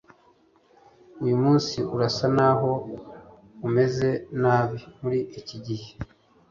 Uyu munsi urasa naho umeze nabi muri iki gihe.